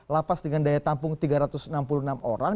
lapas dengan daya tampung tiga ratus enam puluh enam orang